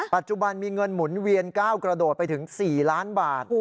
ปัจจุบันมีเงินหมุนเวียนก้าวกระโดดไปถึง๔ล้านบาท